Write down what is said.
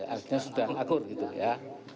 artinya sudah ngakur gitu ya